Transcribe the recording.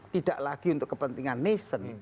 tidak lagi untuk kepentingan nation